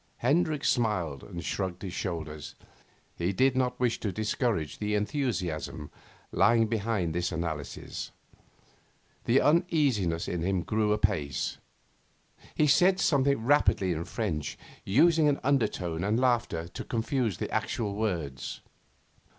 Hendricks smiled and shrugged his shoulders. He did not wish to discourage the enthusiasm lying behind this analysis. The uneasiness in him grew apace. He said something rapidly in French, using an undertone and laughter to confuse the actual words.